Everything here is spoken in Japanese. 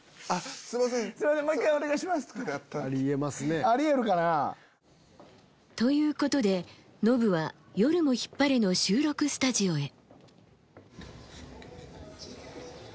ありえるかな？ということで、ノブは夜もヒッパレの収録スタジオへ。